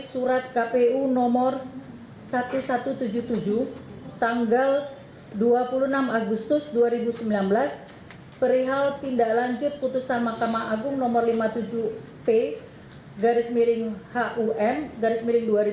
surat kpu nomor seribu satu ratus tujuh puluh tujuh tanggal dua puluh enam agustus dua ribu sembilan belas perihal tindak lanjut putusan mahkamah agung nomor lima puluh tujuh p garis miring hum garis miring dua ribu tujuh belas